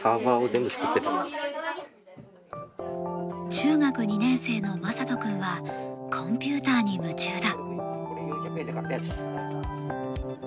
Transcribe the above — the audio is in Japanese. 中学２年生の、まさと君はコンピューターに夢中だ。